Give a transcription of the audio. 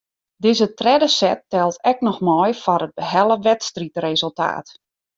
Dizze tredde set teld ek noch mei foar it behelle wedstriidresultaat.